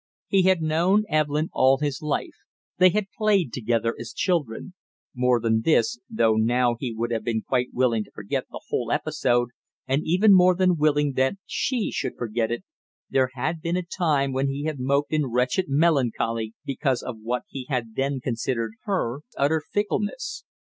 He had known Evelyn all his life, they had played together as children; more than this, though now he would have been quite willing to forget the whole episode and even more than willing that she should forget it, there had been a time when he had moped in wretched melancholy because of what he had then considered her utter fickleness.